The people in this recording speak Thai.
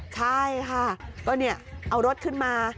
ใช่ค่ะก็เอารถขึ้นมา